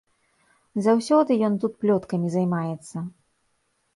Заўсёды ён тут плёткамі займаецца.